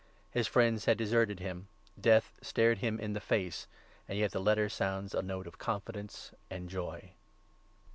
His friends had deserted him, death stared him in the face, and yet the Letter sounds a note of confidence and joy.